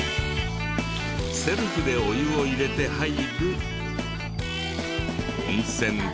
セルフでお湯を入れて入る温泉だった。